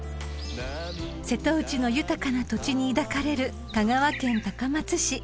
［瀬戸内の豊かな土地に抱かれる香川県高松市］